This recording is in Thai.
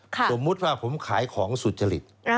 สมมุติว่าผมขายของสุจริต